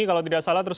kalau tidak salah